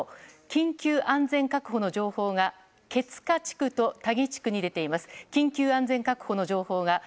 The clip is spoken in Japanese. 緊急安全確保の情報が毛塚地区と田木地区に出ています。